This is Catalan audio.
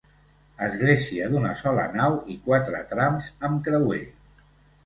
Església d'una sola nau i quatre trams amb creuer.